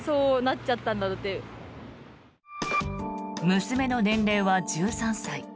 娘の年齢は１３歳。